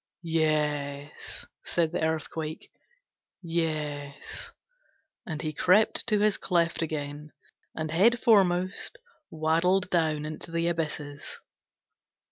'Yes,' said the Earthquake, 'Yes,' and he crept to his cleft again, and head foremost waddled down into the abysses.